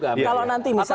kalau nanti misalnya